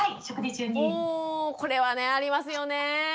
おこれはねありますよねえ。